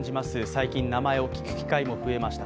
最近名前を聞く機会も増えました、